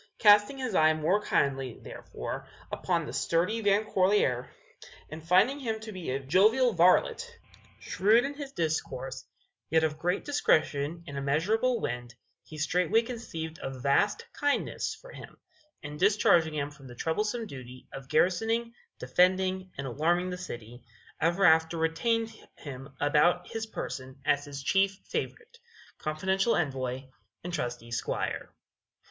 Casting his eye more kindly, therefore, upon the sturdy Van Corlear, and finding him to be a jovial varlet, shrewd in his discourse, yet of great discretion and immeasurable wind, he straightway conceived a vast kindness for him, and discharging him from the troublesome duty of garrisoning, defending and alarming the city, ever after retained him about his person as his chief favorite, confidential envoy and trusty squire.